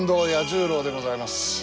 十郎でございます。